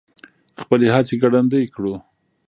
خپلې هڅې ګړندۍ کړو.